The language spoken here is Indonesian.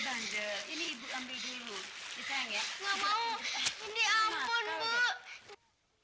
nggak mau indri ampun bu